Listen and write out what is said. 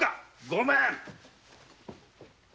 ごめん！